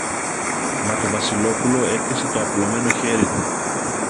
Μα το Βασιλόπουλο έπιασε το απλωμένο χέρι του.